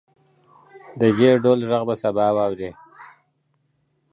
د دې ډول غږ به سبا ته واورئ